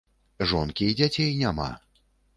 Жонкі і дзяцей няма.